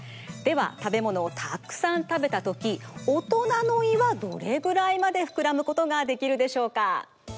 では食べ物をたくさん食べたとき大人の胃はどれぐらいまでふくらむことができるでしょうか？